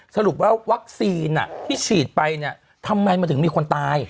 สรุปว่าวัคซีนที่ฉีดไปเนี่ยทำไมมันถึงมีคนตาย